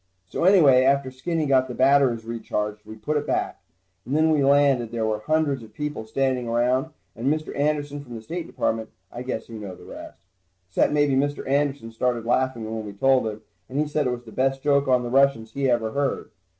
So anyway, after Skinny got the batteries recharged, we put it back. And then when we landed there were hundreds of people standing around, and Mr. Anderson from the State Department. I guess you know the rest. Except maybe Mr. Anderson started laughing when we told him, and he said it was the best joke on the Russians he ever heard.